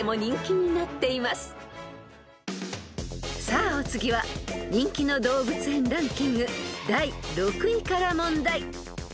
［さあお次は人気の動物園ランキング第６位から問題］